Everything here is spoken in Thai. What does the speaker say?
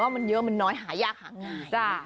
มันเยอะมันน้อยหายากหาง่าย